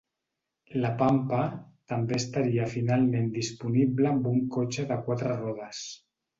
La Pampa també estaria finalment disponible amb un cotxe de quatre rodes.